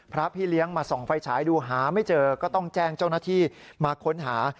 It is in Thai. พี่เลี้ยงมาส่องไฟฉายดูหาไม่เจอก็ต้องแจ้งเจ้าหน้าที่มาค้นหา